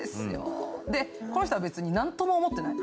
この人は別になんとも思ってない。